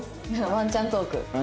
ワンちゃんトーク？